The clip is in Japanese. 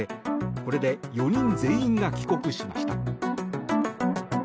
これで４人全員が帰国しました。